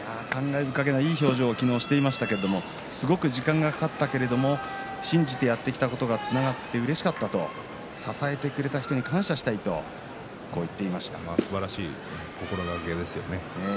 昨日いい表情をしていましたけれどもすごく時間がかかったけれども信じてやってきたことがつながってうれしかった、支えてくれた人にすばらしい心がけですよね。